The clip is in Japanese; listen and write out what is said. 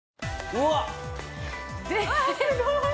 うわっすごーい！